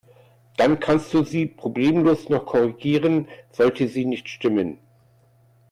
Dann kannst du sie problemlos noch korrigieren, sollte sie nicht stimmen.